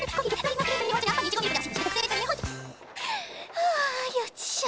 はあよっしゃ